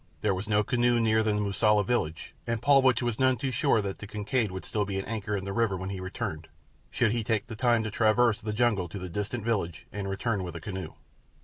There was no canoe nearer than the Mosula village, and Paulvitch was none too sure that the Kincaid would still be at anchor in the river when he returned should he take the time to traverse the jungle to the distant village and return with a canoe.